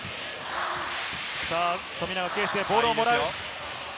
富永啓生、ボールをもらう。